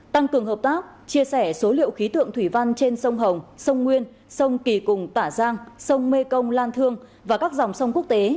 tăng cường hợp tác chia sẻ số liệu khí tượng thủy văn trên sông hồng sông nguyên sông kỳ cùng tả giang sông mê công lan thương và các dòng sông quốc tế